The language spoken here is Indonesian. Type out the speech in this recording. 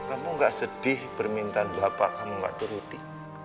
kamu gak sedih permintaan bapak kamu gak turuti